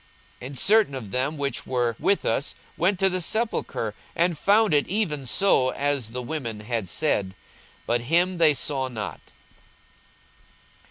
42:024:024 And certain of them which were with us went to the sepulchre, and found it even so as the women had said: but him they saw not.